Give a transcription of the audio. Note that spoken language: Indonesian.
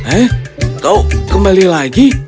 eh kau kembali lagi